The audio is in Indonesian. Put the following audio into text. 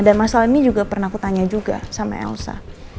dan masalah ini juga pernah aku tanya juga sama elsa